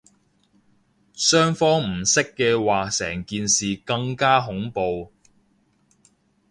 雙方唔識嘅話成件事更加恐怖